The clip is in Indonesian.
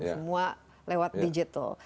semua lewat digital